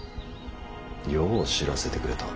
よう知らせてくれた。